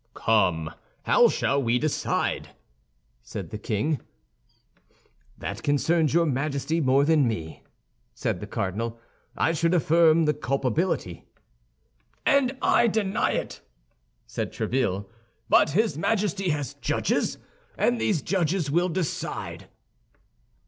"Come, how shall we decide?" said the king. "That concerns your Majesty more than me," said the cardinal. "I should affirm the culpability." "And I deny it," said Tréville. "But his Majesty has judges, and these judges will decide."